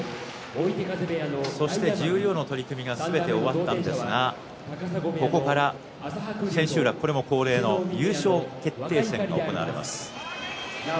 そして十両の取組がすべて終わったんですがここから千秋楽これも恒例の優勝決定戦が行われます。